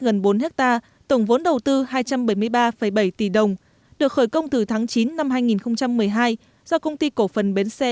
gần bốn hectare tổng vốn đầu tư hai trăm bảy mươi ba bảy tỷ đồng được khởi công từ tháng chín năm hai nghìn một mươi hai do công ty cổ phần bến xe